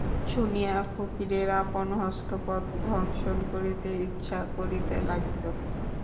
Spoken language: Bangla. শুনিয়া ফকিরের আপন হস্তপদ দংশন করিতে ইচ্ছ করিতে লাগিল।